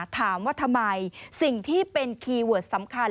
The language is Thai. ถามว่าทำไมสิ่งที่เป็นคีย์เวิร์ดสำคัญ